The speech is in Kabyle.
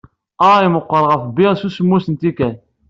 A imqqur xf B s smmus n tikkal